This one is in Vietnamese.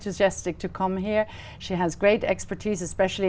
tôi là trung tâm ở hà nội open university